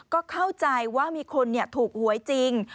ก็เข้าใจว่ามีคนถูกหวยจริง